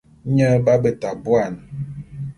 Nye b'abeta buan.